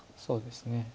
そうですね。